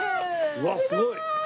うわっすごい！